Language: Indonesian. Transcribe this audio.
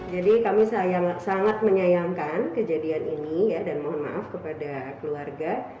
jadi kami sangat menyayangkan kejadian ini dan mohon maaf kepada keluarga